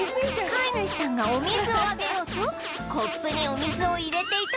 飼い主さんがお水をあげようとコップにお水を入れていたところ